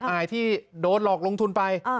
อายที่โดนหลอกลงทุนไป